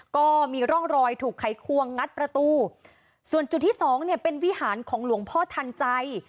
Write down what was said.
ก็มีร่องรอยถูกไขควงงัดประตูส่วนจุดที่สองเนี่ยเป็นวิหารของหลวงพ่อทันใจ